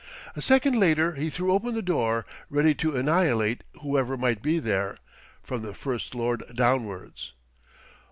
A second later he threw open the door, ready to annihilate whoever might be there, from the First Lord downwards.